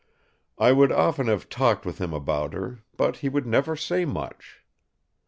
I would often have talked with him about her; but he would never say much.